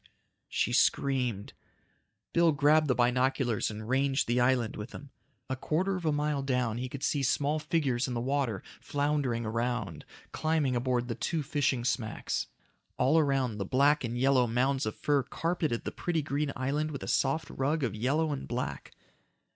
She screamed. Bill grabbed the binoculars and ranged the island with them. A quarter of a mile down he could see small figures in the water, floundering around, climbing aboard the two fishing smacks. All around, the black and yellow mounds of fur carpeted the pretty green island with a soft rug of yellow and black.